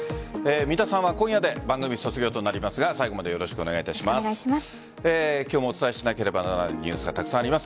三田さんは今夜で番組卒業となりますが最後までよろしくお願いします。